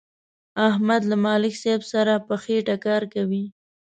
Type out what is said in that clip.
احمد له ملک صاحب سره په خېټه کار کوي.